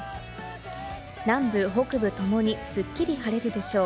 南部北部ともにスッキリ晴れるでしょう。